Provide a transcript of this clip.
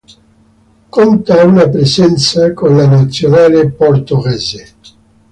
Conta una presenza con la Nazionale portoghese.